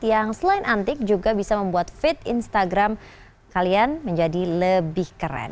yang selain antik juga bisa membuat feed instagram kalian menjadi lebih keren